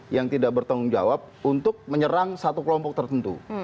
yang tidak bertanggung jawab untuk menyerang satu kelompok tertentu